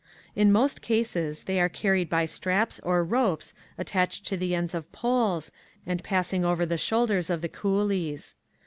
In most cases they are carried by straps or ropes at tached to the ends of poles and passing over the shoulders of the coolies.